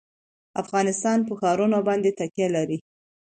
افغانستان په ښارونه باندې تکیه لري.